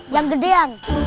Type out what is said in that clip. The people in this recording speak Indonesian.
yang gede yang